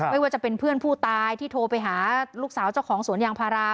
ไม่ว่าจะเป็นเพื่อนผู้ตายที่โทรไปหาลูกสาวเจ้าของสวนยางพารา